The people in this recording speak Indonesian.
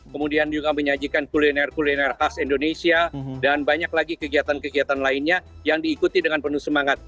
kemudian juga menyajikan kuliner kuliner khas indonesia dan banyak lagi kegiatan kegiatan lainnya yang diikuti dengan penuh semangat